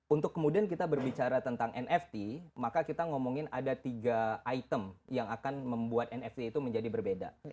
untuk kemudian kita berbicara tentang nft maka kita ngomongin ada tiga item yang akan membuat nft itu menjadi berbeda